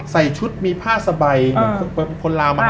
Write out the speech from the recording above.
ใส่ชุดมีผ้าสบาย